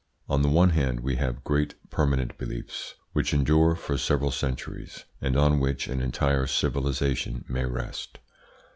On the one hand we have great permanent beliefs, which endure for several centuries, and on which an entire civilisation may rest.